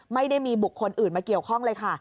ไม่ได้มีบุคคลอื่นมาเกี่ยวข้องเลยค่ะ